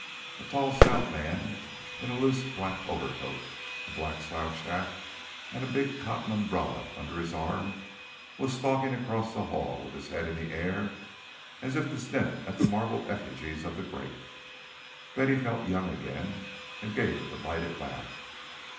A tall stout man in a loose black overcoat, a black slouch hat, and a big cotton umbrella under his arm, was stalking across the Hall with his head in the air, as if to sniff at the marble effigies of the great. Betty felt young again and gave a delighted laugh.